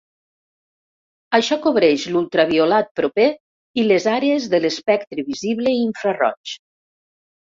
Això cobreix l'ultraviolat proper, i les àrees de l'espectre visible i infraroig.